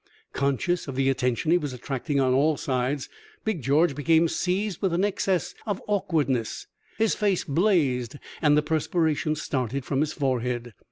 Conscious of the attention he was attracting on all sides, Big George became seized with an excess of awkwardness; his face blazed, and the perspiration started from his forehead.